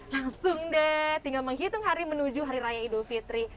langsung deh tinggal menghitung hari menuju hari raya idul fitri